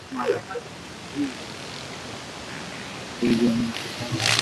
তুই কেন অযথা নিজেকে কষ্ট দিচ্ছিস?